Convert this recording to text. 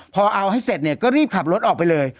พอเอาให้เสร็จเนี่ยก็รีบขับรถออกไปเลย